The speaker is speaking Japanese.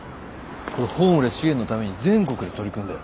ホームレス支援のために全国で取り組んでる。